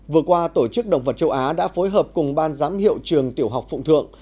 vừa qua tổ chức động vật châu á đã phối hợp cùng ban giám hiệu trường tiểu học phụng thượng